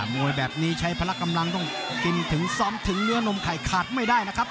มวยแบบนี้ใช้พละกำลังต้องกินถึงซ้อมถึงเนื้อนมไข่ขาดไม่ได้นะครับ